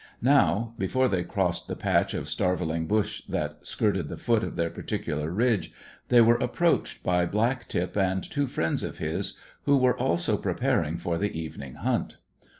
Now, before they crossed the patch of starveling bush which skirted the foot of their particular ridge, they were approached by Black tip and two friends of his, who were also preparing for the evening hunt.